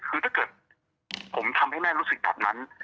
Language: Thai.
คือถ้าเกิดผมทำให้แม่รู้สึกแบบนั้น